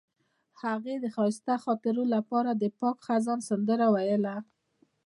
هغې د ښایسته خاطرو لپاره د پاک خزان سندره ویله.